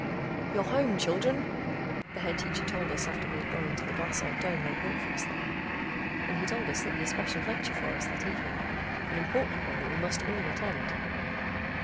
"You're home, children," the Head Teacher told us after we had gone into the glassite dome they'd built for us there. And he told us there'd be a special lecture for us that evening, an important one that we must all attend.